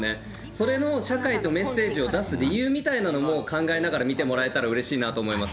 それの社会とメッセージを出す理由みたいなのも、考えながら見てもらえたらうれしいなと思います。